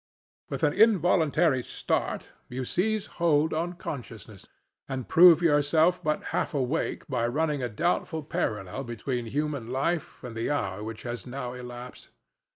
With an involuntary start you seize hold on consciousness, and prove yourself but half awake by running a doubtful parallel between human life and the hour which has now elapsed.